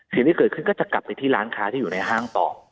สิ่งที่เกิดขึ้นก็จะกลับไปที่ร้านค้าที่อยู่ในห้างต่อ